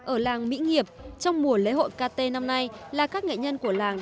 ở làng mỹ nghiệp trong mùa lễ hội kt năm nay là các nghệ nhân của làng